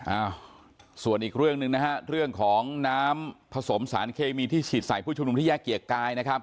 อ้าวส่วนอีกเรื่องหนึ่งนะฮะเรื่องของน้ำผสมสารเคมีที่ฉีดใส่ผู้ชุมนุมที่แยกเกียรติกายนะครับ